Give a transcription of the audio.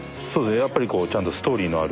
やっぱりこうちゃんとストーリーのある。